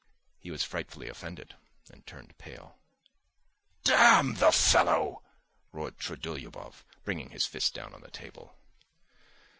He was frightfully offended and turned pale. "Damn the fellow!" roared Trudolyubov, bringing his fist down on the table.